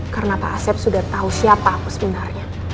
karena pak asep sudah tahu siapa aku sebenarnya